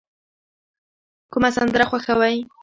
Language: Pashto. کومه سندره خوښوئ؟